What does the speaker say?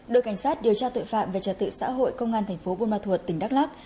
đội cảnh sát điều tra tội phạm về trật tự xã hội công an thành phố buôn ma thuột tỉnh đắk lắc